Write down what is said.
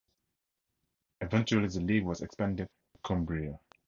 Eventually the league was expanded to Cheshire and Cumbria.